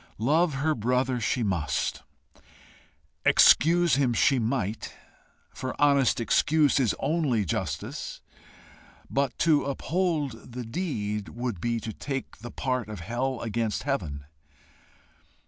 Love her brother she must; excuse him she might, for honest excuse is only justice; but to uphold the deed would be to take the part of hell against heaven.